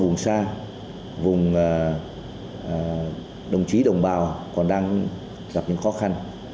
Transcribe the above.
vùng xa vùng đồng chí đồng bào còn đang gặp những khó khăn